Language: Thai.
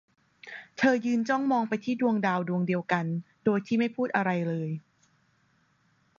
เธอยืนจ้องมองไปที่ดวงดาวดวงเดียวกันโดยที่ไม่พูดอะไรเลย